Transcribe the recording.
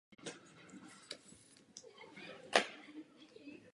Potřebujeme reformu těchto nástrojů.